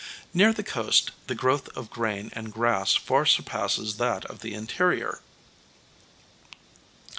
Near the coast the growth of grain and grass far surpasses that of the interior.